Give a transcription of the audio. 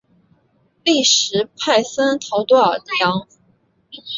利什派森陶多尔扬。